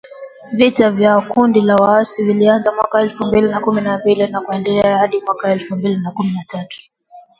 Vita vya kundi la waasi vilianza mwaka elfu mbili na kumi na mbili na kuendelea hadi mwaka elfu mbili na kumi na tatu .